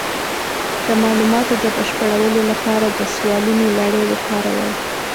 د معلوماتو د بشپړولو لپاره د سوالونو لړۍ وکاروئ.